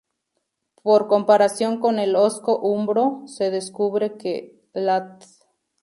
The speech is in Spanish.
Por comparación con el osco-umbro se descubre que lat.